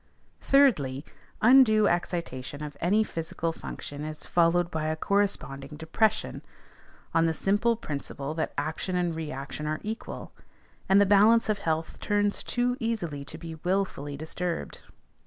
Thirdly, undue excitation of any physical function is followed by a corresponding depression, on the simple principle that action and reaction are equal; and the balance of health turns too easily to be wilfully disturbed.